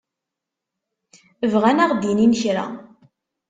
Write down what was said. Bɣan ad aɣ-d-inin kra.